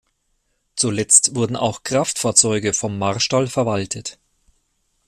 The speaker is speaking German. Zuletzt wurden auch Kraftfahrzeuge vom Marstall verwaltet.